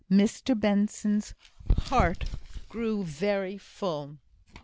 Mr Benson's heart grew very full.